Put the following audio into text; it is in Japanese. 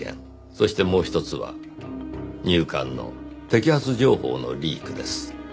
そしてもう一つは入管の摘発情報のリークです。